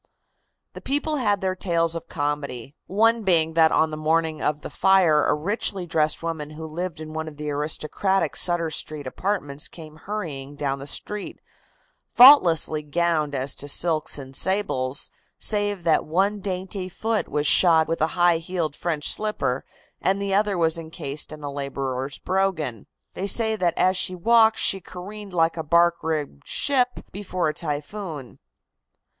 The people had their tales of comedy, one being that on the morning of the fire a richly dressed woman who lived in one of the aristocratic Sutter Street apartments came hurrying down the street, faultlessly gowned as to silks and sables, save that one dainty foot was shod with a high heeled French slipper and the other was incased in a laborer's brogan. They say that as she walked she careened like a bark rigged ship before a typhoon.